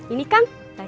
ini kam baca